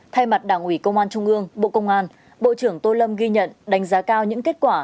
thay mặt đảng ủy công an trung ương bộ công an bộ trưởng tô lâm ghi nhận đánh giá cao những kết quả